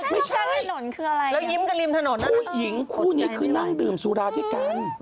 ไม่ใช่ไม่ใช่ผู้หญิงคู่นี้คือนั่งดื่มสุราทเยอะกัน